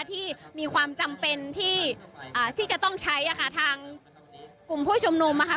ที่มีความจำเป็นที่ที่จะต้องใช้อ่ะค่ะทางกลุ่มผู้ชุมนุมนะคะ